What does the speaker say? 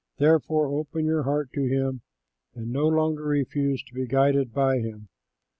Therefore, open your heart to him and no longer refuse to be guided by him.